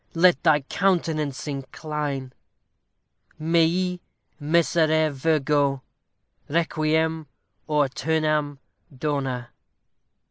Let thy countenance incline! _Mei miserere Virgo, Requiem æternam dona!